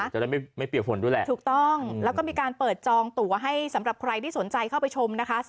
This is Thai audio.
จะได้ไม่เปียกฝนด้วยแหละถูกต้องแล้วก็มีการเปิดจองตัวให้สำหรับใครที่สนใจเข้าไปชมนะคะ